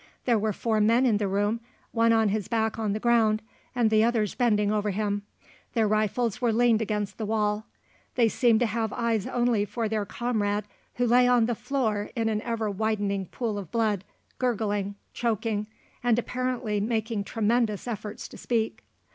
There were four men in the room; one on his back on the ground, and the others bending over him. Their rifles were leaned against the wall. They seemed to have eyes only for their comrade who lay on the floor in an ever widening pool of blood, gurgling, choking, and apparently making tremendous efforts to speak.